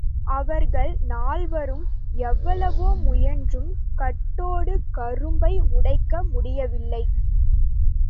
அவர்கள் நால்வரும் எவ்வளவோ முயன்றும் கட்டோடு கரும்பை உடைக்க முடியவில்லை.